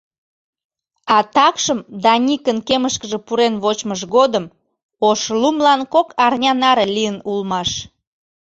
А такшым Даникын кемышкыже пурен вочмыж годым Ошлумлан кок арня наре лийын улмаш.